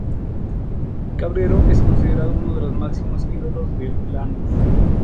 Cabrero es considerado uno de los máximos ídolos de Lanús.